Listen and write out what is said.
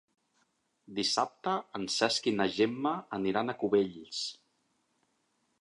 Dissabte en Cesc i na Gemma aniran a Cubells.